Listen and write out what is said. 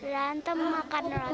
rantem makan roti